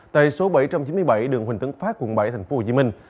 tại số bảy trăm chín mươi bảy đường huỳnh tấn pháp quận bảy tp hcm